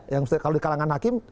yang kalau di kalangan hakim